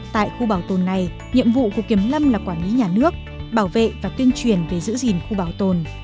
tại khu bảo tồn này nhiệm vụ của kiểm lâm là quản lý nhà nước bảo vệ và tuyên truyền về giữ gìn khu bảo tồn